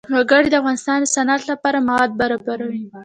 وګړي د افغانستان د صنعت لپاره مواد برابروي.